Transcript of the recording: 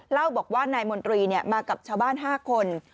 เล่าบอกว่านายมนตรีมากับชาวบ้าน๕คน